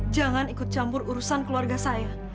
jangan ikut campur urusan keluarga saya